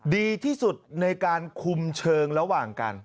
ดีที่สุดในการคุมเชิงระหว่างกัน